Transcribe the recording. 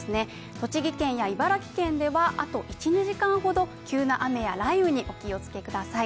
栃木県や茨城県ではあと１２時間ほど急な雨や雷雨にお気をつけください。